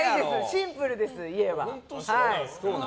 シンプルです、家は。